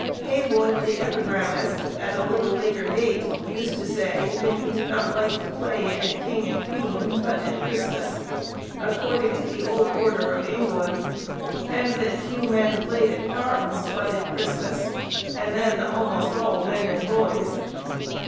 Heywood, the epigrammatist, at a little later date, used to say, that he did not like to play at king and queen, but at Christmas, according to the old order of England; and that few men played at cards, but at Christmas; and then almost all, men and boys.